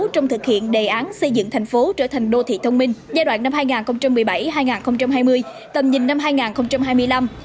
trong thực hiện đề án xây dựng thành phố trở thành đô thị thông minh giai đoạn năm hai nghìn một mươi bảy hai nghìn hai mươi tầm nhìn năm hai nghìn hai mươi năm